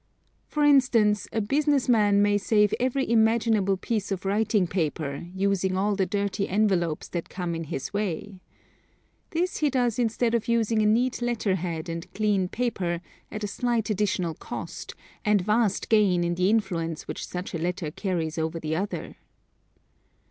For instance, a business man may save every imaginable piece of writing paper, using all the dirty envelopes that come in his way. This he does instead of using a neat letter head and clean paper, at a slight additional cost, and vast gain in the influence which such a letter carries over the other.